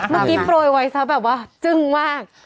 เมื่อกี้โปรยไวท์ซ้ำแบบว่าจึ้งมาก